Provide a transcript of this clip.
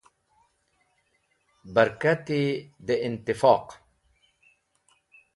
Bẽrkati dẽ intifoq.